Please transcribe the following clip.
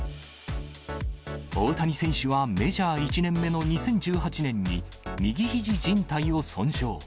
大谷選手はメジャー１年目の２０１８年に、右ひじじん帯を損傷。